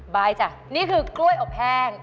บายจ้ะนี่คือกล้วยอบแห้ง